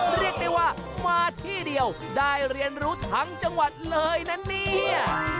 เรียกได้ว่ามาที่เดียวได้เรียนรู้ทั้งจังหวัดเลยนะเนี่ย